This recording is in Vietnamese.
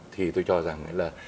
thì tôi cho rằng là